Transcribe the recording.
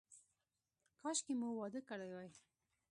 کاشکې مو واده کړی وای.